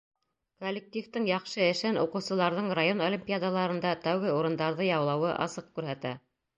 Коллективтың яҡшы эшен уҡыусыларҙың район олимпиадаларында тәүге урындарҙы яулауы асыҡ күрһәтә.